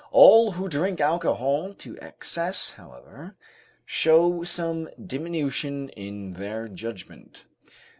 All who drink alcohol to excess, however, show some diminution in their judgment.